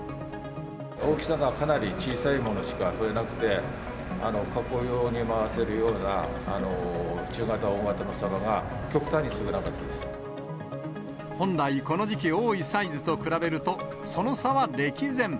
大きさがかなり小さいものしか取れなくて、加工用に回せるような中型、大型のサバが極端に少なかったで本来、この時期多いサイズと比べると、その差は歴然。